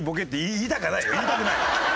言いたくないよ。